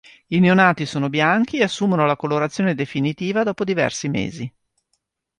I neonati sono bianchi e assumono la colorazione definitiva dopo diversi mesi.